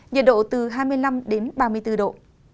nhiệt độ từ hai mươi năm đến ba mươi bốn độ